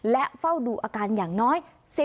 และเฝ้าดูอาการอย่างน้อย